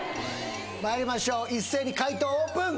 まいりましょう一斉に解答オープン！